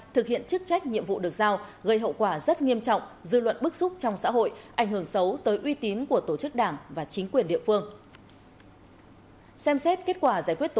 thực hiện chức trách nhiệm vụ được giao gây hậu quả rất nghiêm trọng dư luận bức xúc trong xã hội ảnh hưởng xấu tới uy tín của tổ chức đảng và chính quyền địa phương